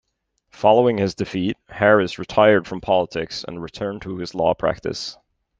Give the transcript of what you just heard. Following his defeat, Harris retired from politics and returned to his law practice.